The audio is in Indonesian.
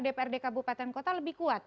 dprd kabupaten kota lebih kuat